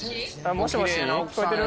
もしもし聞こえてる？